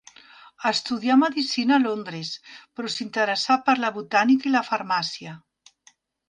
Estudià medicina a Londres però s'interessà per la botànica i la farmàcia.